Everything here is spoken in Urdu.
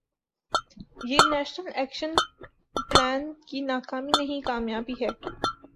یہ نیشنل ایکشن پلان کی ناکامی نہیں، کامیابی ہے۔